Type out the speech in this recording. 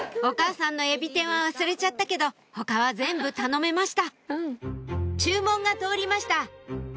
お母さんの海老天は忘れちゃったけど他は全部頼めました注文が通りました